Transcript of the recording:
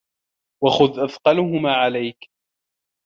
وَخُذْ أَثْقَلَهُمَا عَلَيْك